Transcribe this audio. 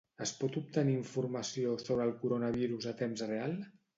Es pot obtenir informació sobre el Coronavirus a temps real?